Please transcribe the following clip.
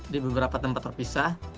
di beberapa tempat terpisah